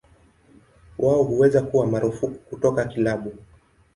Wao huweza kuwa marufuku kutoka kilabu.